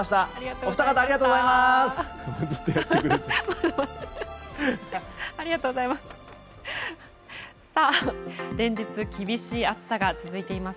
お二方、ありがとうございます。